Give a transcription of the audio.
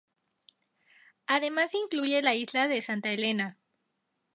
Además incluye la isla de Santa Elena.